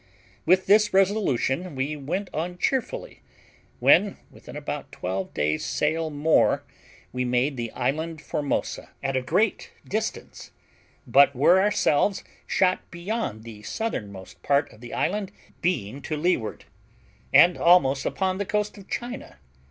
With this resolution we went on cheerfully, when, within about twelve days' sail more, we made the island Formosa, at a great distance, but were ourselves shot beyond the southernmost part of the island, being to leeward, and almost upon the coast of China.